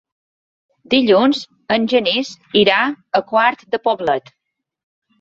Dilluns en Genís irà a Quart de Poblet.